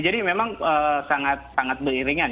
jadi memang sangat sangat beiringan